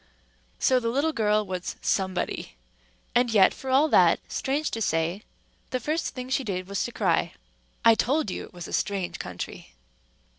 So the little girl was Somebody; and yet for all that, strange to say, the first thing she did was to cry. I told you it was a strange country.